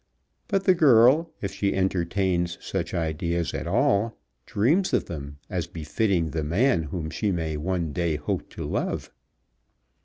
But the girl, if she entertains such ideas at all, dreams of them as befitting the man whom she may some day hope to love.